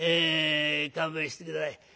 勘弁して下さい。